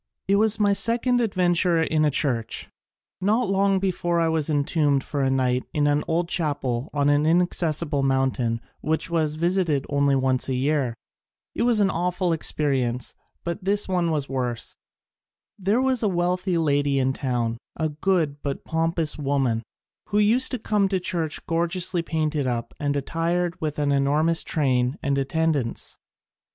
It was my second ad venture in a church. Not long before I was entombed for a night in an old chapel on an inaccessible mountain which was visited only once a year. It was an awful experi ence, but this one was worse. There was a wealthy lady in town, a good but pompous woman, who used to come to the church gorgeously painted up and attired with an enormous train and attendants.